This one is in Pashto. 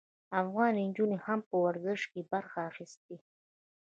افغان نجونو هم په ورزش کې برخه اخیستې.